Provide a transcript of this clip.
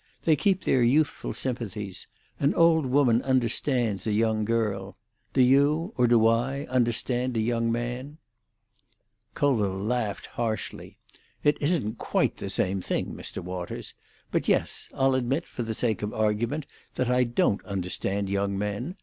They keep their youthful sympathies; an old woman understands a young girl. Do you—or do I—understand a young man?" Colville laughed harshly. "It isn't quite the same thing, Mr. Waters. But yes; I'll admit, for the sake of argument, that I don't understand young men.